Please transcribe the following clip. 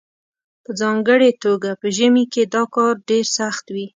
په ځانګړې توګه په ژمي کې دا کار ډیر سخت وي